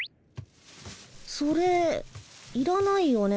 それいらないよね？